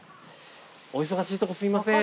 お忙しいとこすいません。